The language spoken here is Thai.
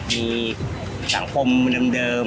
มีสังคมเดิมอย่างนี้